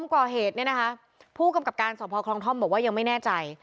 ก่อเหตุเนี่ยนะคะผู้กำกับการสอบพอคลองท่อมบอกว่ายังไม่แน่ใจ